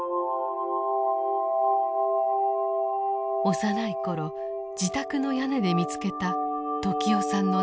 幼い頃自宅の屋根で見つけた時雄さんの名前です。